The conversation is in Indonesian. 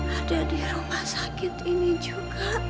ada di rumah sakit ini juga